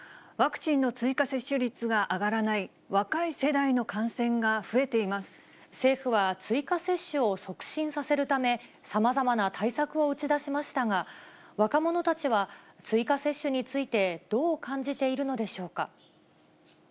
ワクチンの追加接種率が上がらない、若い世代の感染が増えていま政府は、追加接種を促進させるため、さまざまな対策を打ち出しましたが、若者たちは追加接種についてどう感じているのでしょうか。